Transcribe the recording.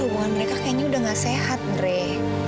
mereka kayaknya udah gak sehat andrei